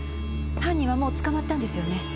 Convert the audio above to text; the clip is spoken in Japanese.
犯人はもう捕まったんですよね？